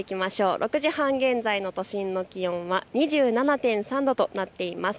６時半現在の都心の気温は２７．３度となっています。